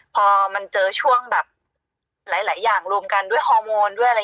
พอมันเจอช่วงแบบหลายอย่างรวมกันด้วยฮอร์โมนด้วยอะไร